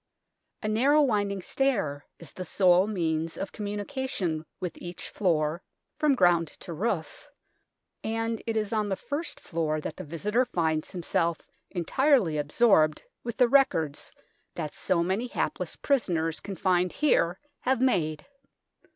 A narrow winding stair is the sole means of communica tion with each floor from ground to roof, and it is on the first floor that the visitor finds himself entirely absorbed with the records that so many hapless prisoners confined here have made.